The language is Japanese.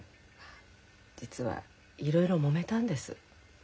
実はいろいろもめたんです。